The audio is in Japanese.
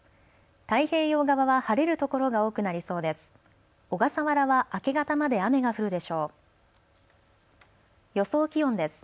太平洋側は晴れるところが多くなりそうです。